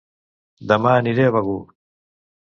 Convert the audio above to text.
Dema aniré a Begur